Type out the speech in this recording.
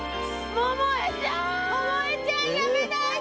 百恵ちゃん辞めないで！